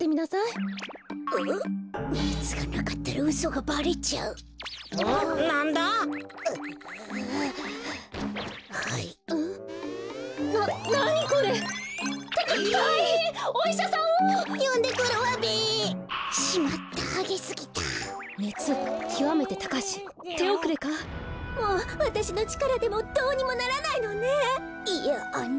いやあの。